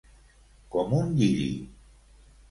Com un lliri.